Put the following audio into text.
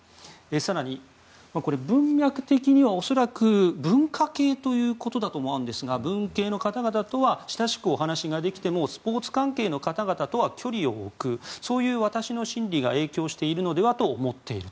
更に文脈的には恐らく文科系ということだと思うんですが文系の方々とは親しくお話ができてもスポーツ関係の方々とは距離を置くそういう私の心理が影響しているのではと思っている。